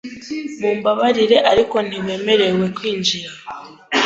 Mumbabarire, ariko ntiwemerewe kwinjira .